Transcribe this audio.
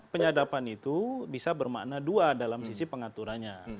penyadapan itu bisa bermakna dua dalam sisi pengaturannya